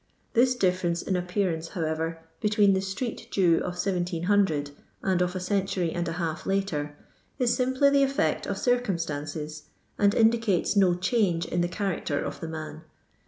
TJus dif ference in appearance, however, between the street Jew of 1700 and of a century and a half kter, is uimp\j the effect of circumstances, and indicates no change in the character of the man.